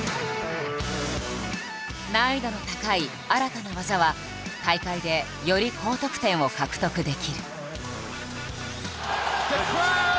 難易度の高い新たな技は大会でより高得点を獲得できる。